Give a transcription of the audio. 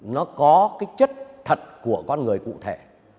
nó có cái chất thật của con người cụ thể